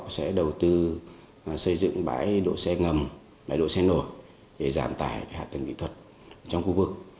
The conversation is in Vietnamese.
trong đó sẽ đầu tư xây dựng bãi đỗ xe ngầm bãi đỗ xe nổ để giảm tải hạ tầng kỹ thuật trong khu vực